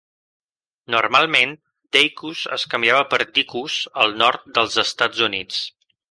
Normalment "Deicws" es canviava per "Dicus" al nord dels Estats Units.